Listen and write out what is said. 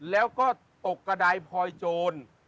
แล้วก็ตกกระดายพลอยโจร